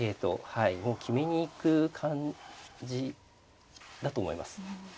はいもう決めに行く感じだと思います。